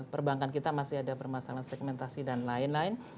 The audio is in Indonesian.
perbankan kita masih ada permasalahan segmentasi dan lain lain